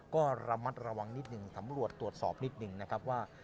ก็ระมัดระวังนิดนึงสำรวจตรวจสอบนิดหนึ่งนะครับว่า